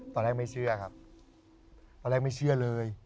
ตอนแรกไม่เชื่อครับตอนแรกไม่เชื่อเลย